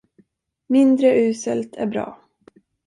Mindre uselt är bra.